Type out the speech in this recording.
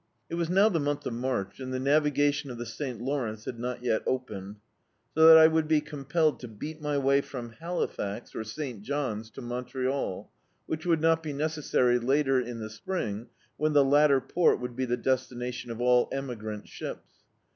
It was now the month of March, and the naviga tioa of the St. Lawrence had not yet opened, so that I would be cMnpelled to beat my way from Halifax, or St John's, to Mcvitreal, which would not be necessary later in the Spring, when the latter port would be the destination of all emigrant ships.